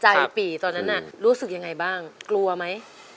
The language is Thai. ปี่ตอนนั้นน่ะรู้สึกยังไงบ้างกลัวไหม